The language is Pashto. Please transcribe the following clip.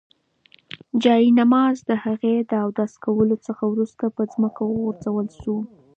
جاینماز د هغې د اودس کولو څخه وروسته په ځمکه وغوړول شو.